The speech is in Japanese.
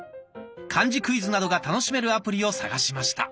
漢字クイズなどが楽しめるアプリを探しました。